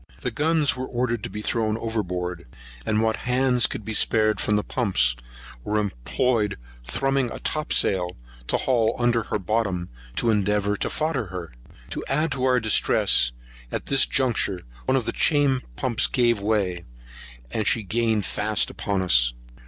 The guns were ordered to be thrown overboard; and what hands could be spared from the pumps, were employed thrumbing a topsail to haul under her bottom, to endeavour to fodder her. To add to our distress, at this juncture one of the chain pumps gave way; and she gained fast upon us.